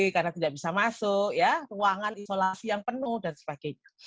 karena tidak bisa masuk ruangan isolasi yang penuh dan sebagainya